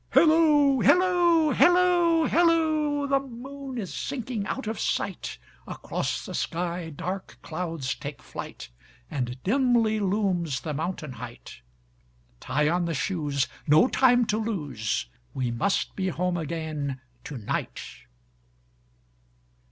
Hilloo, hilloo, hilloo, hilloo! The moon is sinking out of sight, Across the sky dark clouds take flight, And dimly looms the mountain height; Tie on the shoes, no time to lose, We must be home again to night.